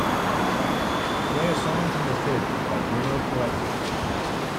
Play a song from the thirties by Bruno Pelletier